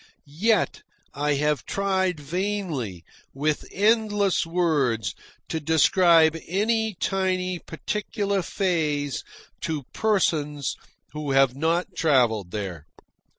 Yet I have tried vainly, with endless words, to describe any tiny particular phase to persons who have not travelled there.